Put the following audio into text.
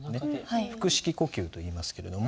腹式呼吸といいますけれども。